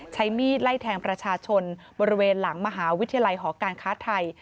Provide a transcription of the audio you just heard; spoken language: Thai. ใช้มีดไล่แทงประชาชนบริเวณหลังมหาวิทยาลัยหอการค้าไทย